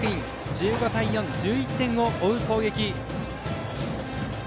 １５対４と１１点を追う攻撃。